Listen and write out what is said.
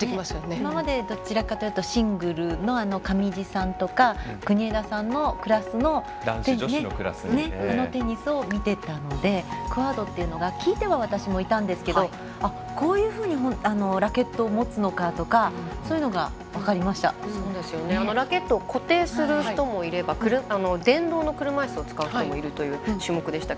今まで、どちらかというとシングルの上地さんとか国枝さんのクラスのテニスを見ていたのでクアードというのが私も聞いてはいたんですけどこういうふうにラケットを持つのかとかラケットを固定する人もいれば電動の車いすを使う人もいるという種目でしたが。